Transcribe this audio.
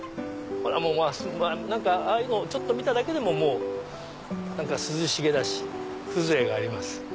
何かああいうのちょっと見ただけでも涼しげだし風情があります。